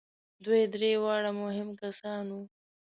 دوی درې واړه مهم کسان وو.